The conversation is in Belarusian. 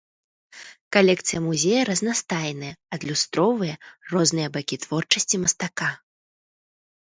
Калекцыя музея разнастайная, адлюстроўвае розныя бакі творчасці мастака.